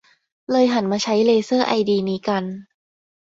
เลยหันมาใช้เลเซอร์ไอดีนี้กัน